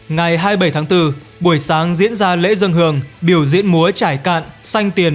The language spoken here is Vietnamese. ngày hai mươi bảy tháng bốn buổi sáng diễn ra lễ dân hường biểu diễn múa trải cạn